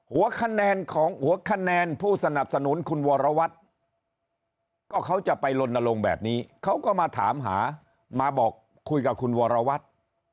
หัวคะแนนของหัวคะแนนผู้สนับสนุนคุณวรวัตรก็เขาจะไปลนลงแบบนี้เขาก็มาถามหามาบอกคุยกับคุณวรวัตร